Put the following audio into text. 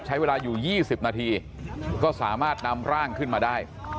ใช้เวลาอยู่๒๐นาทีก็สามารถนำร่างขึ้นมาได้